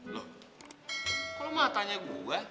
kok lo mau tanya gua